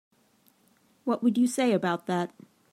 What would you say about that?